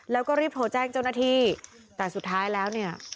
แล้วก็รีบโทรแจ้งเจ้าหน้าที่แต่สุดท้ายแล้วเนี่ย